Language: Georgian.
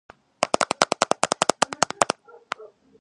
მდებარეობს ჩრდილოეთ კუნძულის დასავლეთ ნაწილში.